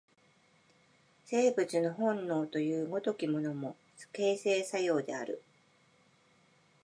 生物の本能という如きものも、形成作用である。